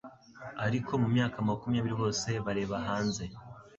Ariko mu myaka makumyabiri bose bareba hanze